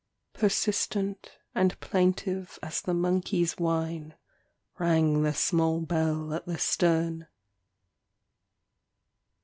Persistent and plaintive as the monkey's whine rang the small bell at the stern.